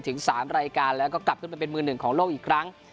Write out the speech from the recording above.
ถึง๓รายการแล้วก็กลับขึ้นไปเป็นมือหนึ่งของโลกอีกครั้ง